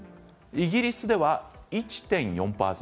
イギリスは１．４％。